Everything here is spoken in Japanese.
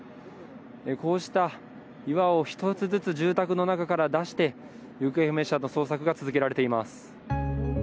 こうした岩を１つずつ住宅の中から出して行方不明者の捜索が続けられています。